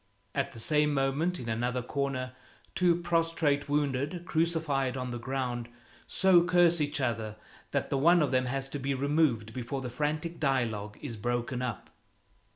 At the same moment, in another corner, two prostrate wounded, crucified on the ground, so curse each other that one of them has to be removed before the frantic dialogue is broken up.